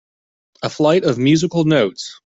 A flight of musical notes.